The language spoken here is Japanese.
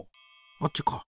あっちか。